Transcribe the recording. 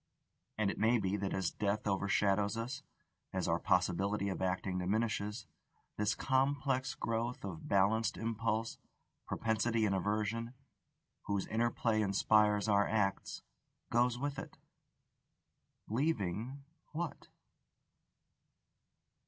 And it may be that as death overshadows us, as our possibility of acting diminishes, this complex growth of balanced impulse, propensity and aversion, whose interplay inspires our acts, goes with it. Leaving what?